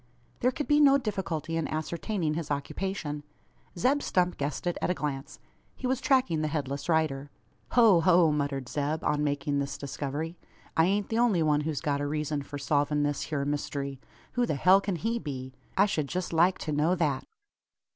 There could be no difficulty in ascertaining his occupation. Zeb Stump guessed it at a glance. He was tracking the headless rider. "Ho, ho!" muttered Zeb, on making this discovery; "I ain't the only one who's got a reezun for solvin' this hyur myst'ry! Who the hell kin he be? I shed jest like to know that."